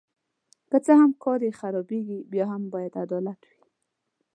که څه هم کار یې خرابیږي بیا هم باید عدالت وي.